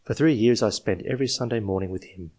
169 three years I spent every Sunday morning with him.